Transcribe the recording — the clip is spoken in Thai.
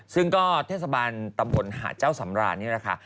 ซึ่งก็เทศบาลตำบลหาดเจ้าสำราญนี่แหละค่ะ